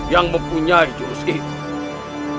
yang mempunyai jurus itu